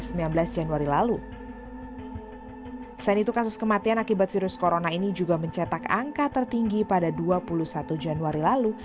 selain itu kasus kematian akibat virus corona ini juga mencetak angka tertinggi pada dua puluh satu januari lalu